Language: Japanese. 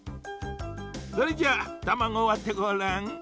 それじゃたまごをわってごらん。